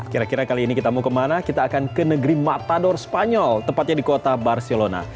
kira kira kali ini kita mau kemana kita akan ke negeri matador spanyol tepatnya di kota barcelona